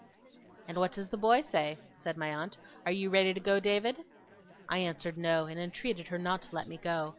'And what does the boy say?' said my aunt. 'Are you ready to go, David?' I answered no, and entreated her not to let me go.